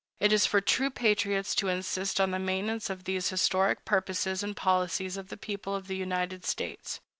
It is for true patriots to insist on the maintenance of these historic purposes and policies of the people of the United States.